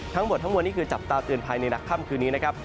ทั้งหมดทั้งมวลนี่คือจับตาเตือนภัยในหลักค่ำคืนนี้นะครับ